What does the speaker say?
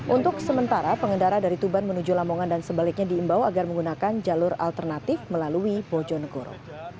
untuk sementara pengendara dari tuban menuju lamongan dan sebaliknya diimbau agar menggunakan jalur alternatif melalui bojonegoro